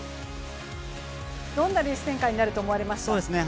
どんなレース展開になると思われますか？